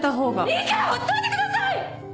いいからほっといてください！